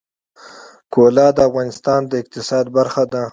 زغال د افغانستان د اقتصاد برخه ده.